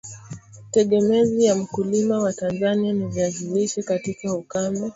tegemezi ya mkulima wa Tanzania ni viazi lishe katika ukame